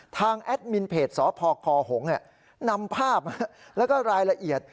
แอดมินเพจสพคหงนำภาพแล้วก็รายละเอียด